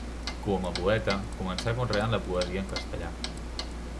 Com a poeta començà conreant la poesia en castellà.